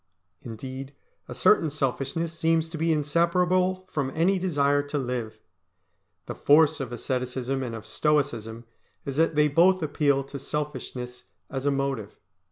Indeed a certain selfishness seems to be inseparable from any desire to live. The force of asceticism and of Stoicism is that they both appeal to selfishness as a motive.